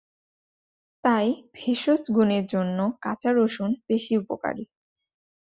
তাই ভেষজ গুণের জন্য কাঁচা রসুন বেশি উপকারী।